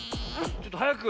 ちょっとはやく。